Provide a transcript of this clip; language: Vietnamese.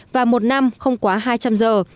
và một năm không quá hai trăm linh giờ